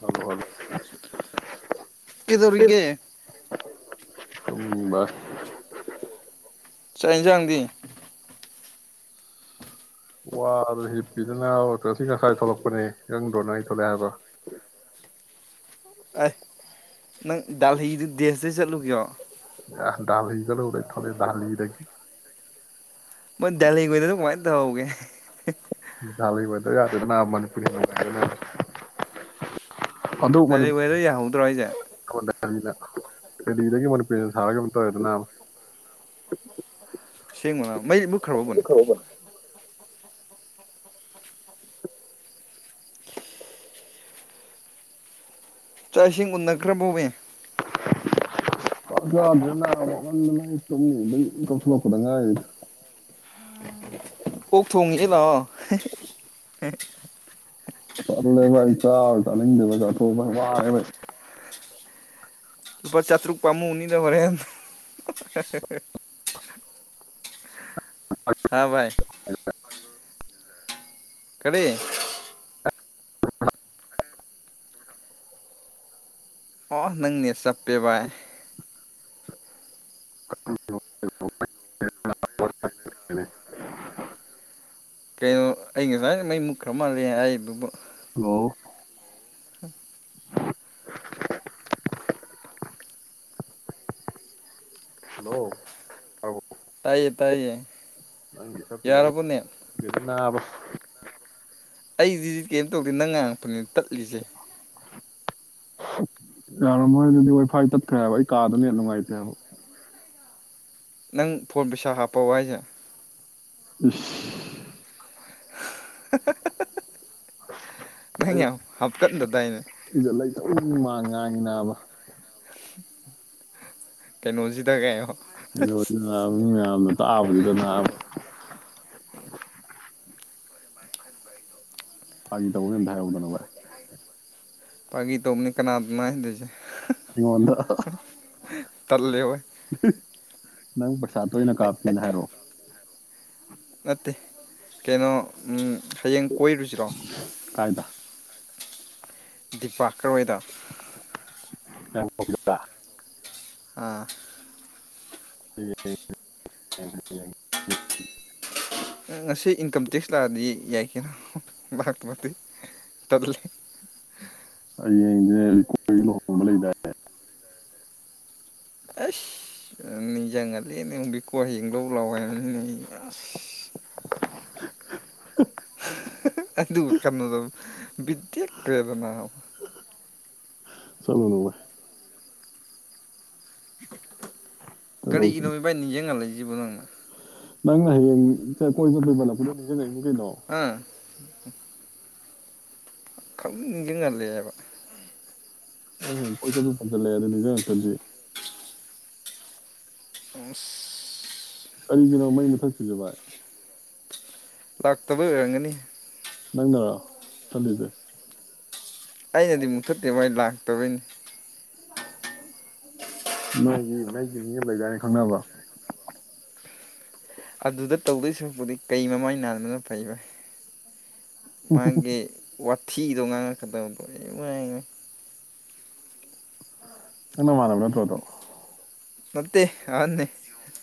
Hello hello ꯀꯦꯗꯔꯤꯒꯦ ꯎꯝꯁ ꯆꯥꯛ ꯌꯦꯟꯁꯥꯡꯗꯤ ꯋꯥꯗ ꯍꯞꯄꯤꯗꯅꯁꯤ ꯉꯁꯥꯏ ꯊꯣꯛꯂꯛꯄꯅꯦ ꯏꯪꯗ꯭ꯔꯣꯅ ꯑꯩ ꯊꯣꯛꯂꯛꯑꯦ ꯍꯥꯏꯗꯣ ꯑꯦ ꯅꯪ ꯗꯜꯍꯤꯤꯗꯨ ꯗꯦꯁꯗ ꯆꯠꯂꯨꯒꯦꯣ ꯑ ꯗꯜ ꯍ ꯆꯂ ꯑꯣꯔꯥꯏ ꯊꯔ ꯗꯜ ꯌꯦꯗꯦ ꯃꯣꯏ ꯗꯂꯤꯈꯣꯏꯗ ꯑꯗꯨ ꯀꯃꯥꯏꯅ ꯇꯧꯍꯧꯒꯦ ꯃꯤ ꯑꯣꯏꯗ ꯌꯥꯗꯦꯗ ꯃꯅꯤꯄꯨꯔꯤ ꯗꯂꯤ ꯗꯣ ꯌꯥꯍꯧꯗ꯭ꯔꯣ ꯑꯩꯁꯦ ꯅ ꯗꯦꯜꯂꯤꯗꯒꯤ ꯃꯅꯤꯄꯨꯔꯔꯤꯅ ꯁꯥꯔꯒ ꯑꯝꯇ ꯑꯣꯏꯗꯅ ꯁꯦꯡꯕꯅ ꯃꯩꯕꯨꯛꯈ꯭ꯔꯕꯕꯅꯦ ꯆꯥꯛ ꯏꯁꯤꯡ ꯎꯟꯅꯈ꯭ꯔꯕꯥꯎꯅꯦ ꯇꯝ ꯀꯞꯗꯉ ꯀꯣꯛ ꯊꯣꯡꯉꯦ ꯂꯥꯛꯑꯣ ꯆꯂꯦꯚꯥꯏ ꯆꯥꯎ ꯆꯂꯤꯗꯕ ꯆꯊ ꯋꯥ ꯂꯨꯄꯥ ꯆꯥꯇ꯭ꯔꯨꯛ ꯄꯥꯝꯃꯨꯅꯤꯗ ꯍꫭꯔꯦꯟ꯫ ꯍꯥꯥ ꯕꯥꯏ꯫ ꯫ ꯀꯔꯤ꯫ ꯑꯣ ꯅꯪꯅ‌ꯦꯠ ꯆꯞꯄꯦ ꯕꯥꯏ꯫ ꯫ ꯀꯩꯅꫭ ꯑꯩ ꯉꯁꯥꯏ꯫ ꯃꯩ ꯃꯨꯛꯈ꯭ꯔ ꯃꯥꯜꯂꯦ ꯑꯩꯗꯨꯕꯨ꯫ ꯍꯜꯂꯣ ꯍꯜꯂꯣꯕꯣ꯫ ꯇꯥꯏꯌꯦ ꯇꯥꯏꯌꯦ꯫ ꯅꯪꯒꯤꯆꯞ ꯑꯩ ꯌꯥꯔꯕꯅꯦ ꯗ‌ꯦꯅꯕ꯫ ꯫ ꯑꯩꯗꯤꯗꯤ ꯀꯩꯝ ꯇꯧꯗꯦ ꯅꯪ ꯉꯥꯡꯉꯛꯄꯅ‌ꯦ ꯇꯠꯂꯤꯁꯦ꯫ ꯌꯥꯔꯝꯃꯔꫭꯏ ꯑꯗꯨꯗꯤ ꯋꯥꯏꯐꯥꯏ ꯇꯠꯈ꯭ꯔꯦ ꯍꯥꯏꯕ ꯑꯩ ꯀꯥꯗꯅ ꯅ‌ꯦꯠ ꯅꯨꯡꯉꯥꯏꯇꯦ ꯍꯥꯏꯕ꯫ ꯅꯪ ꯐꯣꯟ ꯄꯩꯁꯥ ꯍꯥꯞꯄꯕꫭ ꯍꯥꯏꯁꯦ꯫ ꯏꯁ꯫ ꯫꯫ ꯑꯩ ꯍꯥꯞꯀꯟꯗꯗꯥꯏꯅꯦ ꯏꯖꯠꯂꯩꯇꯕꯩ ꯃꯥꯡꯉꯦ꯫ ꯉꯥꯛꯉꯤꯅꯥꯕ꯫ ꯀꯩꯅꫭ ꯁꯤꯗ ꯀꯩꯍꯥꯏꯅꫭ꯫ [unintelligible] ꯑꯩ ꯇꯥꯕꯁꯤꯗ ꯅꯥꯕ꯫ ꯐꯥꯒꯤꯇꯧꯕꯅꯤ ꯑꯝꯇꯪ ꯍꯥꯏꯔꯛꯎꯗꯅ ꯕꯥꯏ꯫ ꯐꯥꯒꯤ ꯇꯧꯕꯅꯤ ꯀꯅꯥꯗꯅ ꯍꯥꯏꯍꯟꯗꯣꯏꯁꯦ꯫ ꯑꯩꯉꯣꯟꯗ ꯫ ꯇꯜꯂ‌ꯦ ꯑꯣꯏ꯫ ꯅꯪ ꯄꯩꯁꯥ ꯇꯣꯏꯅ ꯀꯥꯞꯀꯦꯅ ꯍꯥꯏꯔꯛꯑꯣ꯫ ꯅꯠꯇꯦ ꯀꯩꯅꯣ ꯎꯝ꯫ ꯀꯥꯏꯗ꯫ ꯗꯤꯄꯥ ꯀꯔꯋꯥꯏꯗ ꯫꯫ ꯑꯥ꯫ ꯫ ꯉꯁꯤ ꯏꯟꯀꯝ ꯇꯦꯛꯁ ꯂꯥꯛꯑꯗꯤ ꯌꯥꯏ꯫ [unintelligible] ꯇꯜꯂꯤ꯫ ꯍꯌ‌ꯦꯡꯗꯤ ꯔꯤꯀꫭꯒꯤ ꯂꯨꯍꫭꯡꯕ ꯂꯩꯗꯥꯏꯅ‌ꯦ꯫ ꯅꯤꯡꯖꯤꯡꯍꯜꯂ‌ꯦꯅ‌ꯦ ꯑꯃꫭꯛ ꯕꯤꯀꫭ ꯍꯌ‌ꯦ ꯂꯧꯂꯥꯛꯑꯣ ꯍꯥꯏꯕꯅꯤꯅ‌ꯦ ꯑꯁ꯫ ꯫ ꯑꯗꯨꯒ ꯀꯩꯅꯣꯗꯣ ꯕꯤꯠ ꯇ‌ꯦꯛꯀ꯭ꯔ‌ꯦꯗ ꯅꯥꯕ꯫ ꯆꯠꯂꯨꯅꯨ ꯕꯥꯏ꯫ ꯀꯩꯗꯧꯁꯤ ꯀꯔꯤꯒꯤꯅꫭ ꯏꯕꯥꯏ ꯅꯤꯡꯁꯤꯡꯍꯜꯂꯤ꯫ ꯖꯤꯕꯨ ꯅꯅ ꯅꯪꯅ ꯍꯌꯦ ꯀꯣꯏꯖꯠ ꯐꯣꯏꯕ ꯂ ꯑꯝ ꯤꯡꯒꯤ ꯉꯂꯦꯕ ꯑ ꯍꯌꯦꯡ ꯀꯣꯏ ꯆꯝ ꯄꯟꯁꯤꯜꯂꯛꯑꯦ ꯑꯗꯨꯅꯤ ꯉ ꯉꯥꯛꯇꯗꯤ ꯑꯁ ꯀꯔꯤꯒꯤꯅꯣ ꯃꯩ ꯃꯊꯛ ꯆꯨꯁꯦ ꯚꯥꯏ ꯂꯥꯛꯇꯕ ꯑꯣꯏꯔꯝꯒꯅꯤ ꯅꯪꯅꯔ ꯇꯕꯤꯗꯦ ꯑꯩꯅꯗꯤ ꯃꯨꯛꯊꯠꯇꯦ ꯃꯥꯏ ꯂꯥꯛ ꯇꯕꯅ ꯅꯒꯤ ꯅꯣꯏꯒꯤ ꯃꯤ ꯑꯃ ꯂꯩꯗꯥꯅꯤ ꯈꯪꯅꯕ ꯑꯗꯨꯗ ꯇꯧꯗꯣꯏ ꯁꯔꯛꯄꯨꯗꯤ ꯀꯩ ꯃꯃꯥꯏ ꯅꯥꯟꯕꯅ ꯐꯩꯕ ꯃꯥꯒꯤ ꯋꯥ ꯊꯤꯗꯣ ꯉꯥꯡꯉꯛꯀꯗꯕꯗꯣ ꯂ ꯃꯥꯡꯉꯦ ꯀꯩꯅꯣ ꯃꯥꯅꯅꯕ ꯅꯊ ꯇ ꯃꯠꯇꯦ ꯑꯅꯦꯅꯦ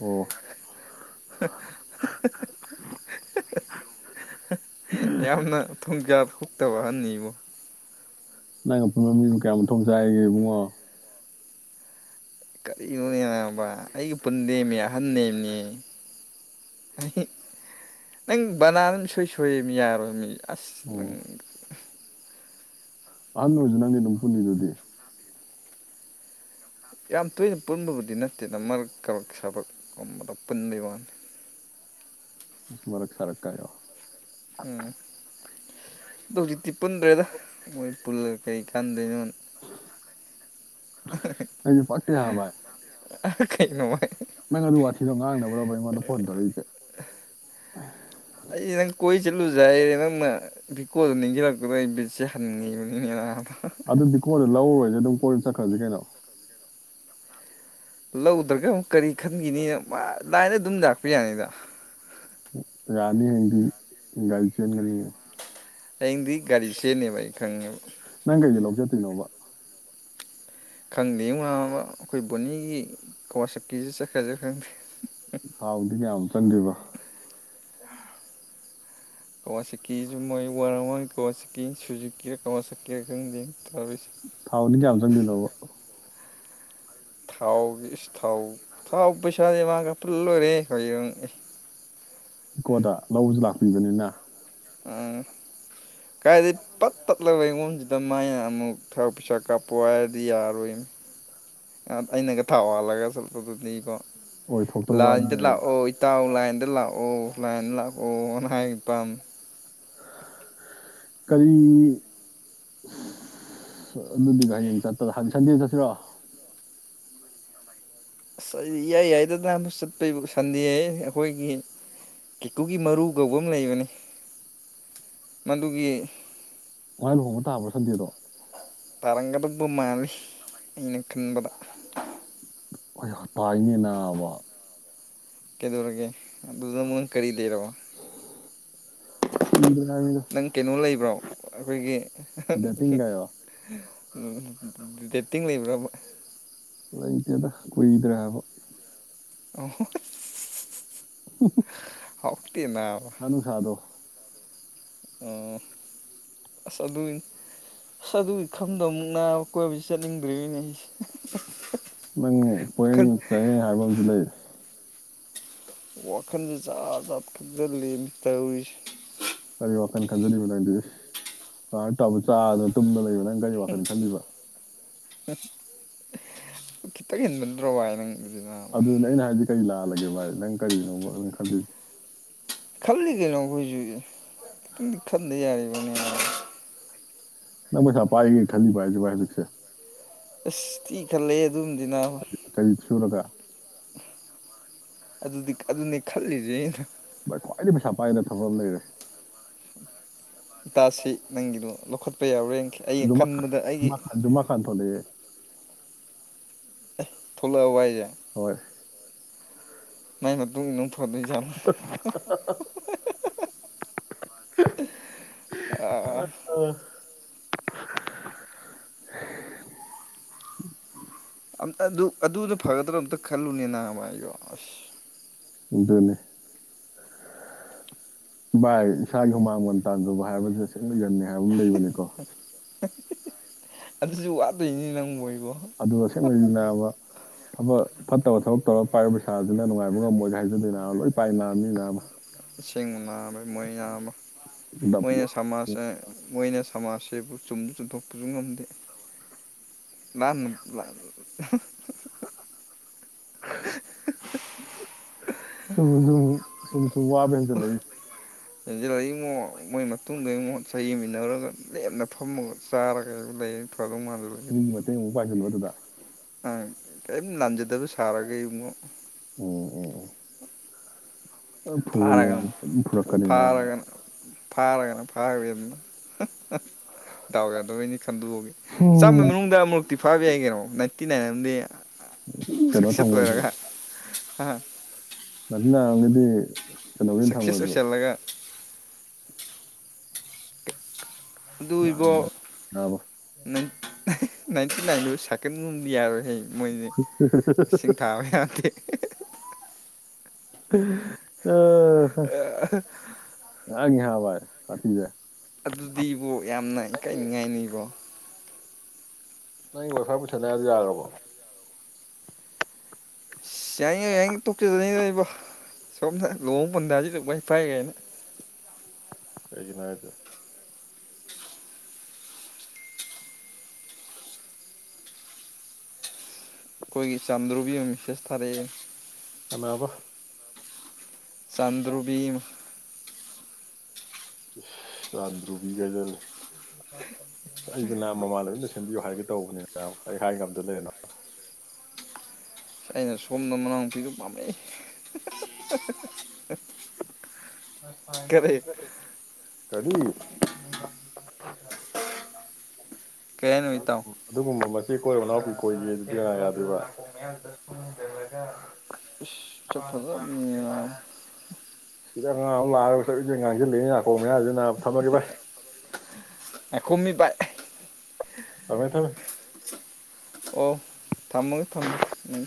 ꯑꯣ [unintelligible] ꯌꯥꯝꯅ ꯊꯨꯡꯖꯥ ꯐꯨꯛꯇꯕꯍꯅꯤꯕꯣ ꯅꯪ ꯑꯄꯨꯟꯕ ꯃꯤꯅꯣ ꯀꯌꯥ ꯃꯊꯣꯡ ꯆꯥꯏꯔꯤꯒꯦ ꯏꯕꯨꯡꯉꯣ ꯀꯔꯤꯅꯣꯅꯦꯕ ꯑꯩꯒ ꯄꯨꯟꯗꯦꯝꯃꯤ ꯑꯍꯟꯅꯦꯝꯅꯦ ꯑꯩ ꯅꯪ ꯕꯅꯥ ꯑꯗꯨ ꯁꯣꯏ ꯁꯣꯏ ꯌꯥꯔꯣꯏ ꯃꯤ ꯑꯁ ꯑꯍ ꯅ ꯑꯣꯏꯁꯤ ꯅꯪꯒꯤ ꯅꯅꯨꯡ ꯄꯨꯨꯅꯤꯗꯨꯗꯤ ꯌꯥꯝ ꯇꯣꯏꯅ ꯄꯨꯟꯕꯕꯨꯗꯤ ꯅꯠꯇꯦꯅ ꯃꯔꯛꯛ ꯁꯥꯕꯛꯀꯨꯝꯕꯗ ꯄꯨꯟꯕꯩ ꯋꯥꯅꯤ ꯃꯔꯛ ꯁꯔꯛ ꯀꯣ ꯎꯝ ꯑꯗꯣ ꯍꯧꯖꯤꯛꯇꯤ ꯄꯨꯟꯗ꯭ꯔꯦꯗ ꯃꯣꯏ ꯄꯨꯜꯂꯒ ꯀꯩ ꯀꯥꯟꯗꯣꯏꯅꯣ ꯑꯩꯗꯤ ꯐꯥꯛꯇ ꯍꯥꯕꯚꯥꯏ ꯑꯩꯈꯩ ꯅꯅꯨꯡꯉꯥꯏ ꯅꯪ ꯑꯗꯨ ꯋꯥꯊꯤꯗꯣ ꯉꯥꯡꯅꯕ꯭ꯔꯣꯕ ꯑꯩꯉꯣꯟꯗ ꯐꯣꯟ ꯇꯧꯔꯛꯏꯁꯦ ꯍꯥꯏ ꯑꯩ ꯅꯪ ꯀꯣꯏ ꯆꯠꯂꯨꯖ ꯑꯩꯔꯦ ꯅꯪꯅ ꯚꯀꯣꯗ ꯅꯤꯡꯁꯤꯜꯂꯛꯄꯗꯣ ꯑꯩ ꯕꯤꯠꯁꯦ ꯍꯟꯉꯤꯕꯅꯤꯅ ꯑ ꯑꯗꯨꯗꯤ ꯀꯣꯂ ꯍ ꯑꯗꯨ ꯑꯗꯨꯝ ꯀꯣꯏ ꯆꯠꯈ꯭ꯔꯁꯤꯦ ꯀꯩꯅꯣ ꯂꯧꯗ꯭ꯔꯒ ꯑꯃꯨꯛ ꯀꯔꯤ ꯈꯟꯈꯤꯅꯤꯅ ꯂꯥꯏꯅ ꯑꯗꯨꯝ ꯂꯥꯛꯄ ꯌꯥꯅꯤꯗ ꯌꯥꯅꯤ ꯍꯥꯏꯗꯤ ꯒꯥꯔꯤ ꯆꯦꯟꯒꯅꯤꯌꯦ ꯑꯩꯡꯗꯤ ꯒꯥꯔꯤꯁꯦꯅꯦꯕꯥꯏ ꯊꯦꯡꯣ ꯇꯅꯣꯃ ꯈꯪꯗꯦ ꯋꯥꯕ ꯑꯩꯈꯣꯏ ꯕꯣꯅꯤꯒꯤ ꯀꯋꯥꯁꯛꯀꯤꯁꯦ ꯆꯠꯀ꯭ꯔꯁꯦ ꯈꯪꯗꯦ ꯇꯥꯎꯗ ꯌꯥꯗ ꯆꯟ꯭ꯔꯤꯕ ꯀꯋꯥꯆꯤꯀꯤꯁꯨ ꯃꯣꯏ ꯋꯥꯔꯥꯡ ꯋꯥꯥꯡ ꯀꯋꯥ ꯆꯤꯀꯤ ꯁꯨꯖꯤꯀꯤꯦ ꯀꯋꯥ ꯆꯦꯀꯤꯌꯥ ꯈꯪꯗꯦ ꯇꯧꯔꯤꯁꯦ ꯊꯥꯎꯅꯤ ꯀꯌꯥꯝꯃ ꯆꯪꯕꯤꯅꯣꯕ ꯊꯥꯎꯒꯤ ꯏ ꯊꯥꯎ ꯊꯥꯎ ꯄꯩꯁꯥꯗꯤ ꯃꯥꯒ ꯄꯨꯜ ꯂꯣꯏꯔꯦ ꯍꯨꯡ ꯑꯦ ꯏꯀꯣꯗ ꯂꯧꯕꯁꯨ ꯂꯥꯛꯄꯤꯕꯅꯤꯅ ꯑꯥ ꯀꯥꯏꯗꯤ ꯄꯠ ꯇꯠꯂꯒ ꯑꯩꯉꯣꯟꯁꯤꯗ ꯃꯅ ꯑꯃꯨꯛ ꯊꯕꯛ ꯄꯩꯁꯥ ꯀꯥꯞꯄ ꯍꯥꯏꯔꯗꯤ ꯌꯥꯔꯣꯏꯅꯤ ꯑꯩꯅꯒ ꯊꯥꯎ ꯋꯥꯜꯂꯒ ꯆꯣꯠꯄꯗꯨꯅꯤꯀꯣ ꯑꯣꯏꯊꯣꯛꯇ꯭ꯔꯕ ꯋꯥꯅꯤ ꯂꯥꯏꯗ ꯀꯩꯅꯣ ꯂꯥꯛꯑꯣ ꯏꯇꯥꯎ ꯂꯥꯏꯟꯗ ꯂꯥꯛꯑꯣ ꯀꯂꯥꯏꯟ ꯂꯥꯛꯀ ꯑꯣꯥꯏ ꯄꯝ ꯀꯔꯤ ꯑꯗꯨꯗꯤꯒ ꯍꯌꯦꯡ ꯆꯠꯇ ꯍꯪ ꯁꯟꯗꯦ ꯆꯠꯁꯤꯔꯣ ꯁ ꯏꯌꯥꯏ ꯌꯥꯏꯗꯗꯅ ꯑꯃ ꯆꯠꯄꯩ ꯁꯟꯗꯦ ꯑꯩꯈꯣꯏꯒꯤ ꯀꯦꯀꯨꯒꯤ ꯃꯔꯨ ꯀꯧꯕ ꯑꯃ ꯂꯩꯕꯅꯤ ꯃꯗꯨꯒꯤ ꯋꯥꯨꯣꯡꯕ ꯇꯥꯕ꯭ꯔꯥ ꯁꯟꯗꯦꯗꯣ ꯇꯔꯒꯗꯕ ꯃꯥꯅꯤ ꯏ ꯀꯟꯕꯗ ꯑꯩ ꯇꯥꯏꯅꯦꯅ ꯑꯕ ꯀꯦꯗꯔꯦ ꯑꯗꯨꯗꯨꯅ ꯃꯣꯏ ꯀꯔꯤ ꯂꯩꯔꯣ ꯎꯝ ꯅꯪ ꯀꯩꯅꯣ ꯂ ꯂꯩ ꯭ꯔꯣ ꯑꯩꯈꯣꯏꯒꯤ ꯕꯦꯠꯇꯤꯡꯒꯥꯏꯔꯣ [unintelligible] ꯎꯝ ꯗꯦꯠꯇꯤꯡ ꯂꯩꯕ꯭ꯔꯥ ꯂꯩꯇꯦꯗ ꯀꯨꯏꯗ꯭ꯔꯦꯕ ꯑ ꯑꯣꯞꯛꯇꯤ ꯅ ꯄꯩꯁꯥ ꯅꯨꯡꯁꯥꯗꯣ ꯑꯣ ꯁꯨ ꯁꯨ ꯈꯝꯗꯣ ꯑꯃꯨꯛꯅꯥ ꯀꯣꯏꯕꯁꯤ ꯅꯤꯡ ꯗ꯭ꯔꯔꯤꯅꯤ ꯅꯪ ꯋꯥꯈꯜ ꯀꯣꯏꯌꯦꯡ ꯆꯪ ꯍꯥꯏꯕ ꯑꯃꯁꯨ ꯂꯩ ꯋꯥꯈꯜꯁꯦ ꯆꯥꯥ ꯈꯛꯇ ꯂꯦꯝꯃꯤ ꯇꯧꯔꯤꯁꯦ ꯀꯔꯤ ꯋꯥꯈꯜ ꯈꯟꯖꯔꯤꯕꯅꯅꯣ ꯑꯗꯨꯗꯤ ꯇ ꯆꯥꯗꯅ ꯇꯨꯝꯅ ꯂꯩꯕꯅ ꯒꯥꯔꯤ ꯋꯥꯈꯜꯅꯤ ꯈꯜꯂꯤꯕꯤꯕ ꯇꯠ ꯈꯤ ꯇꯛꯍꯟꯕ ꯅ꯭ꯔꯣ ꯏ ꯅꯪ ꯑꯗꯨꯅꯦ ꯑꯩꯅ ꯍꯥꯏꯗꯤ ꯀꯔꯤ ꯂꯥꯜꯂꯒꯦ ꯚꯥꯏ ꯅꯪ ꯀꯔꯤꯒꯤꯅꯣ ꯑꯗꯨ ꯈꯗꯦ ꯈꯜꯂꯤ ꯀꯩꯅꯣ ꯑꯩꯈꯣꯏꯁꯨꯗꯤ ꯈꯟꯗ ꯌꯥꯔ ꯅ ꯄꯩꯁꯥ ꯄꯥꯏꯒꯦ ꯈꯜꯂꯤ ꯄꯥꯏꯁꯦ ꯄꯥꯏ ꯂꯤꯛꯁꯦ ꯑꯁ ꯊ ꯈꯂꯦ ꯑꯗꯨꯝꯗꯤꯅ ꯀꯔꯤ ꯁꯨꯔꯒ ꯑꯗꯨꯗꯤ ꯑꯗꯨꯅꯤ ꯈꯜꯂꯤꯁꯦ ꯑꯩꯅ ꯈ꯭ꯋꯥꯏꯗꯒꯤ ꯄꯩꯁꯥ ꯄꯥꯏꯅ ꯊꯕꯛ ꯑꯃ ꯂꯩꯔꯦ ꯏꯇꯥꯁꯤ ꯅꯪꯒꯤꯗꯨꯣ ꯂꯧꯈꯠꯄ ꯌꯥꯎꯔꯦ ꯖꯨꯃꯥ ꯈꯥꯟ ꯖꯃꯥ ꯈꯥꯟ ꯖꯃꯥ ꯈꯥꯟ ꯊꯣꯛꯂꯒꯦ ꯊꯨꯂ ꯋꯥꯏꯖꯦ ꯍꯣꯏ ꯃꯥꯏ ꯃꯝ ꯐꯗꯤꯖꯜ ꯑ [unintelligible] ꯑ ꯑꯗꯨꯗ ꯐꯒꯗ꯭ꯔꯥ ꯑꯝꯇ ꯈꯜꯂꯨꯅꯦ ꯅꯍꯃꯥꯏꯌꯣ ꯑꯁ ꯑꯗꯨꯅꯤ ꯚꯥꯏ ꯏꯁꯥꯒꯤ ꯍꯨꯃꯥꯡꯒꯟ ꯇꯥꯟꯖꯕ ꯍꯥꯏꯕꯕꯁꯤꯦ ꯁꯦꯡꯅꯒꯟꯅꯤ ꯍꯥꯏꯕ ꯑꯃ ꯂꯩꯕꯅꯤꯀꯣ ꯑꯗꯨꯁꯨ ꯋꯥꯠꯇꯣꯏꯅꯤ ꯅꯪ ꯃ ꯑꯣꯏ ꯑꯗꯨꯒꯁꯦꯡꯕꯅꯥꯕ ꯊꯕꯛ ꯐꯠꯇꯕ ꯊꯕꯛ ꯇꯧꯔꯒ ꯄꯥꯏꯔꯤꯕ ꯄꯩꯁꯥꯁꯤꯅ ꯅꯨꯡꯉꯥꯏꯕ ꯉꯝꯃꯣꯏꯒ꯭ꯔ ꯍꯥꯏꯖꯟꯗꯦ ꯏꯅꯥꯃ ꯂꯣꯏ ꯄꯥꯏ ꯅꯥꯑꯅꯤ ꯏꯅꯥꯃ ꯏꯁꯤꯡꯁꯤꯡ ꯃꯅꯥ ꯃꯣꯏꯅ ꯑꯃ ꯗꯞ ꯃꯣꯏꯅ ꯂꯣꯏ ꯁꯃꯥꯖꯁꯦ ꯃꯣꯏꯅ ꯁꯃꯥꯖꯁꯤꯦꯕꯨ ꯆꯨꯝꯅ ꯆꯨꯝꯊꯣꯛꯄꯁꯨ ꯉꯝꯗꯦ ꯂꯥꯟ [unintelligible] [unintelligible] ꯁ ꯁ ꯁ ꯁ ꯋꯥꯕꯅ ꯆꯂ ꯌꯦꯦꯟꯁꯤꯜꯂꯛꯏꯃꯣ ꯃꯣꯏ ꯃꯇꯨꯡꯗ ꯏꯉꯛ ꯆꯍꯤꯃꯤꯟꯅꯔꯒ ꯂꯦꯝꯅ ꯐꯝꯃꯒ ꯆꯥꯔꯒ ꯂꯩ ꯆꯥꯔꯣꯡ ꯃꯥꯗꯨꯔꯒꯤ ꯄꯥꯏꯁꯅꯨ ꯑꯗꯨꯗ ꯑꯪ ꯀꯔꯤꯝ ꯂꯥꯟꯖꯗꯕ ꯁꯥꯔꯒ ꯏꯉꯛ ꯎꯝ ꯎꯝ ꯂꯣꯏ ꯐꯨꯕꯅꯤ ꯅꯪ ꯐꯥꯔꯒꯅ ꯑꯗꯨꯝ ꯐꯨꯔꯛꯀꯅꯤ ꯅꯥꯕ ꯐꯥꯔꯒꯅ ꯐꯥꯔꯒꯅ ꯐꯥꯔꯕꯤꯅ ꯇꯗꯥꯎꯏꯦ ꯑꯗꯨꯩꯅꯤ ꯈꯟꯗꯒꯦ ꯆꯥꯝꯃ ꯍꯨꯝ ꯃꯅꯨꯡꯗ ꯑꯃꯨꯛ ꯐꯥꯔꯇꯤ ꯐꯥꯏꯚ ꯌꯥ ꯍꯥꯏ ꯀꯔꯣ ꯏꯟꯇꯤ ꯅꯥꯏꯟꯅꯝꯗꯤ ꯀꯩꯅꯣ ꯊꯪꯒꯁꯨ ꯍꯥꯝ ꯅꯠꯇ ꯑꯗꯤ ꯁꯛꯁꯦꯁꯁꯦꯜꯂꯒ ꯎꯝ ꯑꯗꯨꯏꯕꯣ ꯅꯥꯏꯟꯇꯤ ꯅꯥꯏꯟꯗ ꯁꯥꯀꯅꯤ ꯎꯕꯤ ꯌꯥꯔꯦ ꯍꯩ ꯃꯣꯏꯁꯦ ꯏꯁꯤꯡ ꯊꯥꯕ ꯌꯥꯗꯦ ꯑ ꯑ ꯍ ꯍ ꯁꯥꯊꯤꯍꯦ ꯑꯗꯨꯗꯤꯕꯣ ꯌꯥꯝꯅ ꯏꯀꯥꯏꯅꯤꯉꯥꯏꯅꯤꯕꯣ ꯅꯪꯒꯤ ꯋꯥꯏꯐꯥꯏ ꯄꯨꯁꯟꯅꯤꯗꯣ ꯌꯥꯔꯕꯣ ꯑꯁ ꯌꯥꯏꯉ ꯌꯥꯏ ꯇꯣꯛꯆꯗꯅꯤꯗꯏꯕꯣ ꯁꯣꯝꯗ ꯂꯨꯍꯣꯡ ꯄꯟꯊꯁꯤꯗ ꯃꯩ ꯄꯥꯏꯒꯅ ꯀꯩꯒꯤ ꯍꯥꯏꯖꯦ ꯑꯩꯈꯣꯏꯒꯤ ꯆꯥꯟꯗ꯭ꯔꯨꯕꯤ ꯑꯃ ꯃꯤꯁꯦꯁ ꯊꯥꯔꯛꯑꯦ ꯀꯅꯕ ꯆꯟꯗ꯭ꯔꯨꯚ ꯏꯁꯁ ꯌꯥꯝ ꯗ꯭ꯔꯨꯕꯤꯒꯩꯗꯂ ꯑꯩꯁ ꯅꯍ ꯃꯃꯥ ꯂꯣꯏꯅ ꯁꯦꯝꯕꯤꯌꯨ ꯍꯥꯏꯒꯦ ꯇꯧꯕꯅꯤꯅ ꯑꯩ ꯍꯥꯏꯒ ꯑꯝꯇ ꯂꯩꯔꯅ ꯑꯩꯅ ꯁꯣꯝꯗ ꯃꯅꯥꯎ ꯨꯄꯤꯗ ꯄꯥꯝꯃꯛꯏ [unintelligible] ꯑ ꯐ ꯀꯔꯤ ꯀ ꯅꯨꯃꯤ ꯇꯥꯎ ꯆꯦ ꯀꯣꯏꯔꯕ ꯅꯥꯎꯄꯤ ꯀꯣꯏꯒꯦ ꯑꯗꯨ ꯄꯔꯥ ꯌꯥꯗꯣꯏꯕ ꯁꯤ ꯆ ꯐꯖ ꯦ ꯄꯔꯦ ꯁꯤꯗ ꯑꯉꯥꯡ ꯑꯃꯛ ꯂꯥꯛꯑꯒ ꯆ ꯉꯥꯡꯁꯤꯜꯂꯤꯅꯤ ꯉꯀꯧ ꯃꯌꯥꯝꯁꯤꯅ ꯊꯝꯃꯒꯦ ꯚꯥꯏ ꯀꯨꯝꯃꯤ ꯄꯥꯏ ꯑꯃꯦ ꯊ ꯑꯣ ꯊꯝꯃꯒꯦ ꯊꯝꯃꯒꯦ ꯎꯝ ꯊꯝ